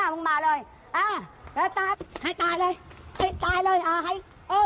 มึงมาเลยอ่าแล้วตายให้ตายเลยให้ตายเลยอ่าให้เออ